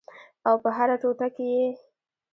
او په هره ټوټه کې یې